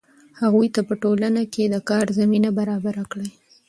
هغوی ته په ټولنه کې د کار زمینه برابره کړئ.